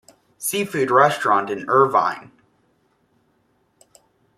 Seafood Restaurant in Irvine.